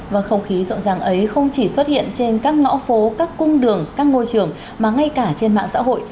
và không khí rộn ràng ấy không chỉ xuất hiện trên các ngõ phố các cung đường các ngôi trường mà ngay cả trên mạng xã hội